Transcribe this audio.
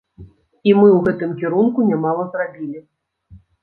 І мы ў гэтым кірунку нямала зрабілі.